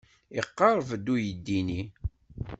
Iqerreb-d uydi-nni.